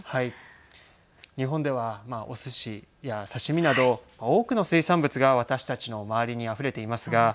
日本ではおすしや刺身など多くの水産物が私たちの周りにあふれていますが。